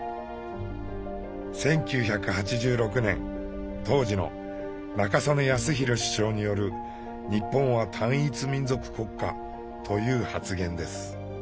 １９８６年当時の中曽根康弘首相による「日本は単一民族国家」という発言です。